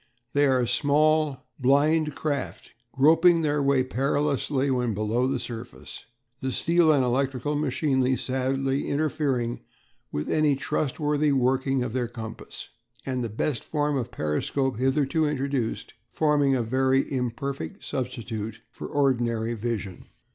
They are small, blind craft, groping their way perilously when below the surface, the steel and electrical machinery sadly interfering with any trustworthy working of their compass, and the best form of periscope hitherto introduced forming a very imperfect substitute for ordinary vision.